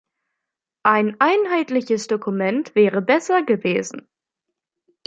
Ein einheitliches Dokument wäre besser gewesen.